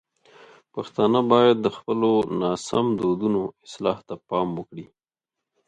پښتانه باید د خپلو ناسم دودونو اصلاح ته پام وکړي.